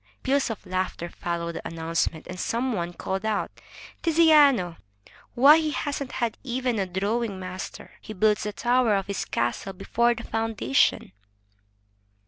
Peals of laughter followed the announcement, and some one called out, "Tiziano! Why, he hasn't had even a drawing master. He builds the tower of his castle before the foundation."